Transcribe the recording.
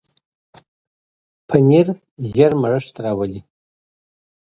پنېر ژر مړښت راولي.